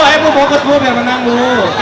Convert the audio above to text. ayo bu fokus bu biar menang bu